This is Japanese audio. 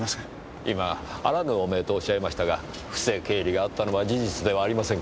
今あらぬ汚名とおっしゃいましたが不正経理があったのは事実ではありませんか。